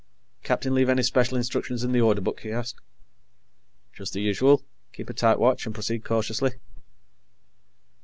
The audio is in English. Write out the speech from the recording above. "Captain leave any special instructions in the Order Book?" he asked. "Just the usual. Keep a tight watch and proceed cautiously."